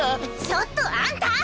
ちょっとあんた！